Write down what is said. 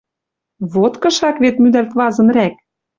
Вот кышак вет мӱдӓлт вазын рӓк...»